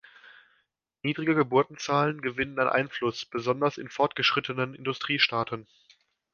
Niedrige Geburtenzahlen gewinnen an Einfluss, besonders in fortgeschrittenen Industriestaaten.